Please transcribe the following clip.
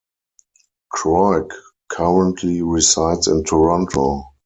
Kreuk currently resides in Toronto.